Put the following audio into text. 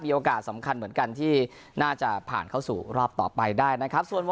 โอกาสสำคัญเหมือนกันที่น่าจะผ่านเข้าสู่รอบต่อไปได้นะครับ